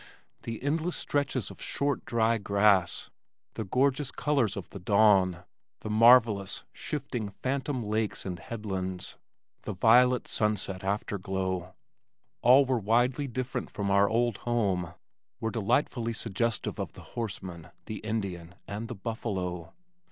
The endless stretches of short, dry grass, the gorgeous colors of the dawn, the marvellous, shifting, phantom lakes and headlands, the violet sunset afterglow, all were widely different from our old home, and the far, bare hills were delightfully suggestive of the horseman, the Indian and the buffalo.